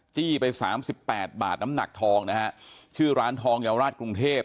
จี้ไปสามสิบแปดบาทน้ำหนักทองนะฮะชื่อร้านทองเยาวราชกรุงเทพ